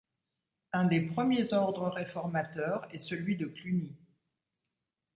Un des premiers ordres réformateurs est celui de Cluny.